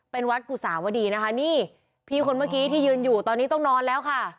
เป็นวัดกุสาวดีนะคะนี่พี่คนเมื่อกี้ที่ยืนอยู่ตอนนี้ต้องนอนแล้วค่ะ